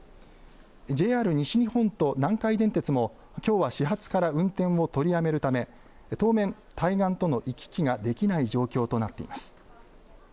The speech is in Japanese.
ＪＲ西日本と南海電鉄もきょうは始発から運転を取りやめるため当面対岸との行き来ができない状況となっています。